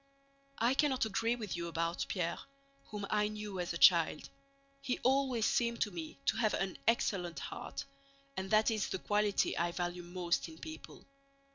I cannot agree with you about Pierre, whom I knew as a child. He always seemed to me to have an excellent heart, and that is the quality I value most in people.